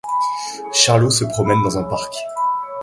Charlot se promène dans un parc.